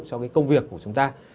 cho công việc của chúng ta